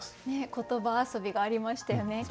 ねえ言葉遊びがありましたよね。